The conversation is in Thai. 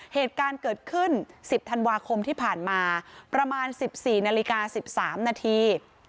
เหตุการณ์เกิดขึ้น๑๐ธันวาคมที่ผ่านมาประมาณ๑๔นาฬิกา๑๓นาที